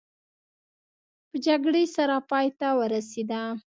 په جګړې سره پای ته ورسېده.